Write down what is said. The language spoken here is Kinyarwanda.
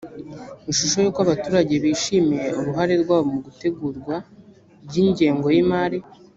ishusho y’uko abaturage bishimiye uruhare rwabo mu itegurwa ry ‘ingengo y’imari